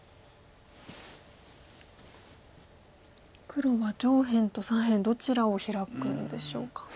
黒は上辺と左辺どちらをヒラくんでしょうか。